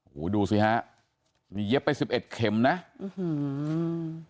โหดูสิฮะมีเย็บไป๑๑เข็มนะอื้อหือ